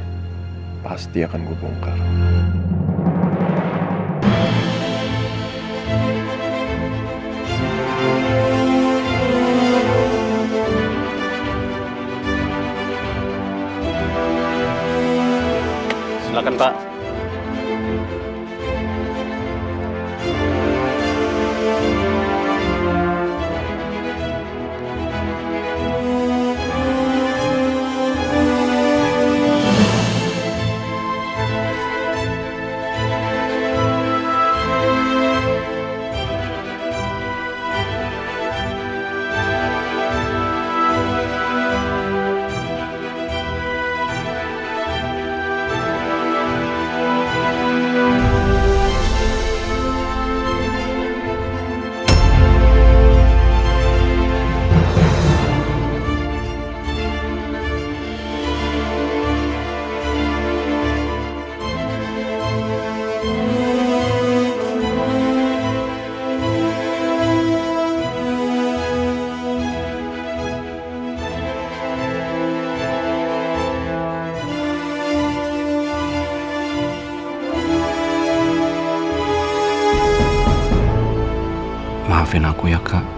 gua akan bongkar semua ini